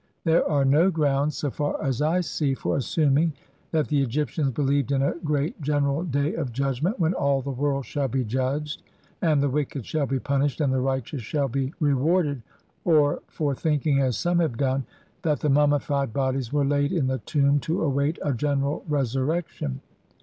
There are no grounds, so far as I see, for assuming that the Egyptians believed in a great general day of judg ment when all the world shall be judged, and the wicked shall be punished, and the righteous shall be rewarded, or for thinking, as some have done, that the mummified bodies were laid in the tomb to await a general resurrection.